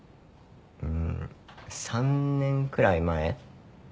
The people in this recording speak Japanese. うーん３年くらい前？